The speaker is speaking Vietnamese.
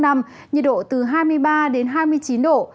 nhiệt độ từ hai mươi ba đến hai mươi chín độ